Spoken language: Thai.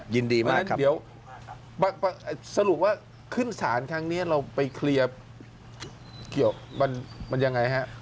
ยินดีมากเดี๋ยวสรุปว่าขึ้นศาลครั้งนี้เราไปเคลียร์เกี่ยวมันยังไงฮะ